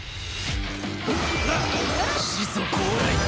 始祖光来！